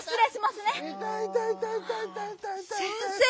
先生。